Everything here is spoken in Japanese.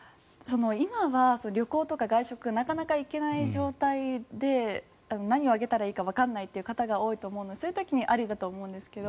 今は旅行とか外食になかなか行けない状態で何をあげたらいいかわからない方が多いと思うのでそういう時にありだと思うんですけど